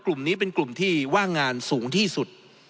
กลุ่มนี้เป็นกลุ่มที่ว่างงานสูงที่สุด